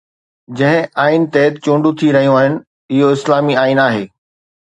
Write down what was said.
جنهن آئين تحت چونڊون ٿي رهيون آهن اهو اسلامي آئين آهي.